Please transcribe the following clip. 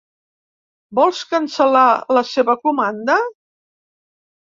Vol cancel·lar la seva comanda?